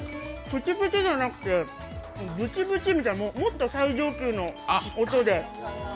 プチプチじゃなくて、ブチブチ、もっと最上級の音で。